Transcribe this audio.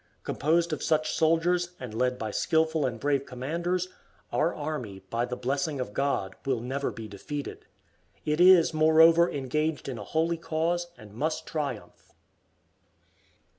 Composed of such soldiers, and led by skillful and brave commanders, our army, by the blessing of God, will never be defeated. It is, moreover, engaged in a holy cause, and must triumph.